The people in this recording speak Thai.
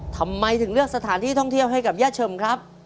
ทำไมถึงเลือกสถานที่ท่องเที่ยวให้กับย่าเฉิมครับ